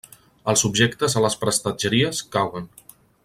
Els objectes a les prestatgeries cauen.